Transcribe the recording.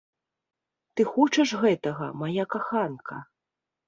Ты хочаш гэтага, мая каханка?